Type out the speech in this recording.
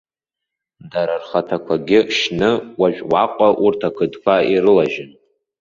Дара рхаҭақәагьы шьны уажә уаҟа урҭ ақыдқәа ирылажьын.